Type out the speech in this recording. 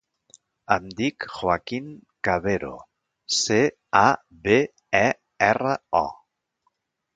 Em dic Joaquín Cabero: ce, a, be, e, erra, o.